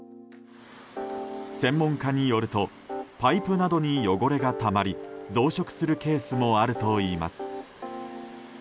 専門家によるとパイプなどに汚れがたまり増殖するケースもあるといいます。